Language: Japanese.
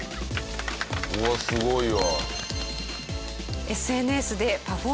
うわっすごいわ。